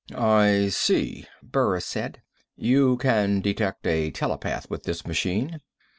"I see," Burris said. "You can detect a telepath with this machine."